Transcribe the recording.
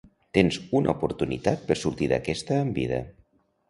Tens una oportunitat per sortir d'aquesta amb vida!